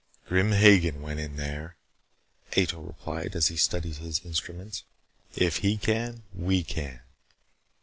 "Grim Hagen went in there," Ato replied as he studied his instruments. "If he can, we can."